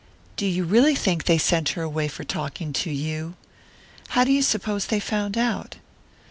"Do you really think they sent her away for talking to you? How do you suppose they found out?"